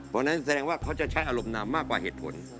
เพราะฉะนั้นแสดงว่าเขาจะใช้อารมณ์นามมากกว่าเหตุผล